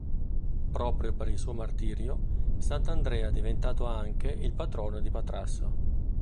Proprio per il suo martirio, sant'Andrea è divenuto anche il patrono di Patrasso.